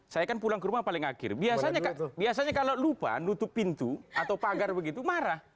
saya kan pulang ke rumah paling akhir biasanya kalau lupa nutup pintu atau pagar begitu marah